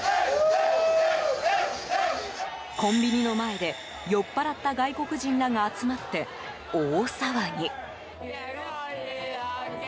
コンビニの前で酔っぱらった外国人らが集まって大騒ぎ。